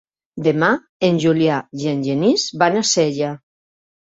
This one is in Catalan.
Demà en Julià i en Genís van a Sella.